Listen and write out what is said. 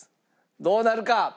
どうなるか？